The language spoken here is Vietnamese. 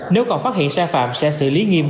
nếu còn phát hiện sai phạm sẽ xử lý nghiêm